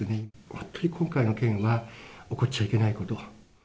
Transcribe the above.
本当に今回の件は、起こっちゃいけないこと。